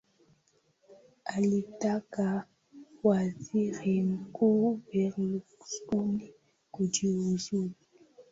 alitamka waziri mkuu berlusconi kujiuzulu